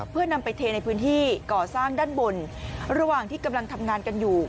เพื่อนำไปเทในพื้นที่ก่อสร้างด้านบนระหว่างที่กำลังทำงานกันอยู่